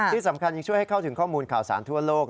ที่สำคัญยังช่วยให้เข้าถึงข้อมูลข่าวสารทั่วโลก